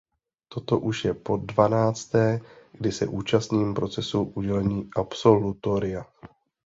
Toto je už podvanácté, kdy se účastním procesu udělení absolutoria.